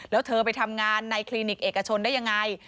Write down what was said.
แล้วเธอไปทำงานในคลินิกเอกชนได้ยังไง